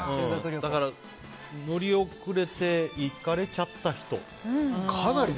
だから、乗り遅れて行かれちゃった人。